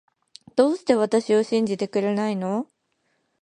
どうして私を信じてくれないの